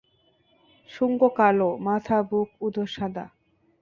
শুঙ্গ কালো, মাথা, বুক, উদর সাদা।